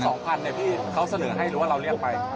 สองพันเนี่ยพี่เขาเสนอให้รู้ว่าเราเรียกไป